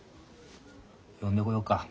呼んでこようか。